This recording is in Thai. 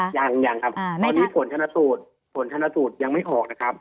ยังยังครับตอนนี้ผลชนสูตรผลชนสูตรยังไม่ออกนะครับ